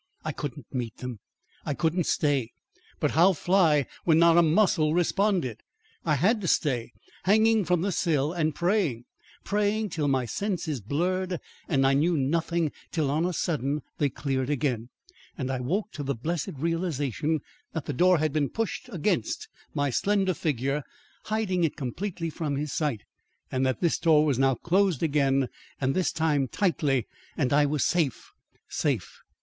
I couldn't meet them; I couldn't stay; but how fly when not a muscle responded. I had to stay hanging from the sill and praying praying till my senses blurred and I knew nothing till on a sudden they cleared again, and I woke to the blessed realisation that the door had been pushed against my slender figure, hiding it completely from his sight, and that this door was now closed again and this time tightly, and I was safe safe!